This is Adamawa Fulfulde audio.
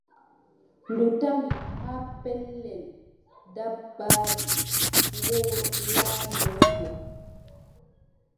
Ndu tawi haa pellel dabbaaji ngoolaano go,